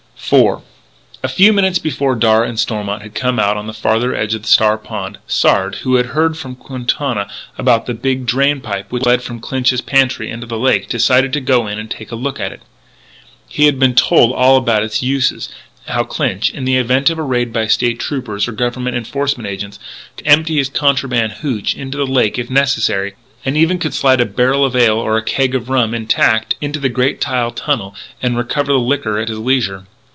IV A few minutes before Darragh and Stormont had come out on the farther edge of Star Pond, Sard, who had heard from Quintana about the big drain pipe which led from Clinch's pantry into the lake, decided to go in and take a look at it. He had been told all about its uses, how Clinch, in the event of a raid by State Troopers or Government enforcement agents, could empty his contraband hootch into the lake if necessary, and even could slide a barrel of ale or a keg of rum, intact, into the great tile tunnel and recover the liquor at his leisure.